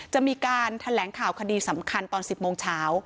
จะมีการแถลงข่าวคดีสำคัญตอน๑๐โมงเช้า